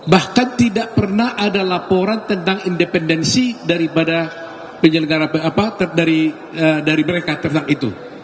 bahkan tidak pernah ada laporan tentang independensi daripada mereka tentang itu